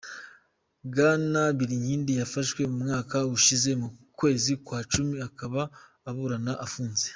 Bwana Birinkindi yafashwe mu mwaka ushize mu kwezi kwa cumi, akaba aburana afunze.